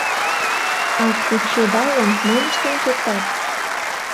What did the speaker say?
А кучедалын, мом ыштен кертат?